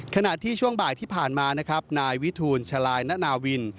ขณะที่ช่วงบ่ายที่ผ่านมานะครับนายวิทูลชะลายณนาวิน